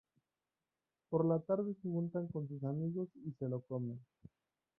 Por la tarde se juntan con sus amigos y se lo comen.